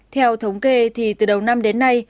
theo thống kê thì từ đầu năm đến nay